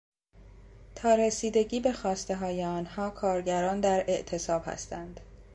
تا رسیدگی به خواستههای آنها کارگران در اعتصاب هستند.